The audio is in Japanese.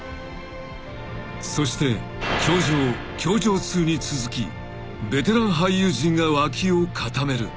［そして『教場』『教場Ⅱ』に続きベテラン俳優陣が脇を固める］